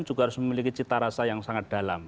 juga harus memiliki cita rasa yang sangat dalam